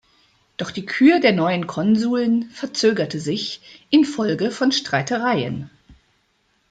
Doch die Kür der neuen Konsuln verzögerte sich infolge von Streitereien.